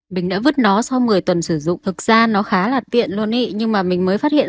bình đã vứt nó sau một mươi tuần sử dụng thực ra nó khá là tiện luôn ý nhưng mà mình mới phát hiện